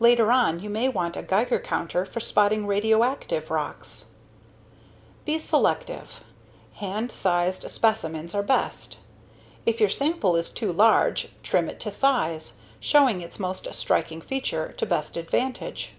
Later on, you may want a Geiger counter for spotting radioactive rocks. Be selective. Hand sized specimens are best. If your sample is too large, trim it to size, showing its most striking feature to best advantage.